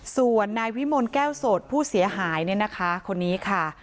ส่วนนายวิมลแก้วโสดผู้เสียหายเนี่ยนะคะคนนี้ค่ะ